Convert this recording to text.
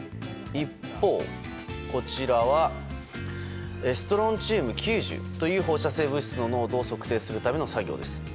一方、こちらはストロンチウム９０という放射性物質の濃度を測定するための作業です。